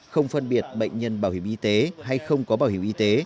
không phân biệt bệnh nhân bảo hiểm y tế hay không có bảo hiểm y tế